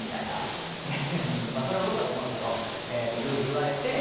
まあそれもどうかと思うんですけど言われて。